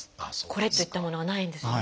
これといったものがないんですね。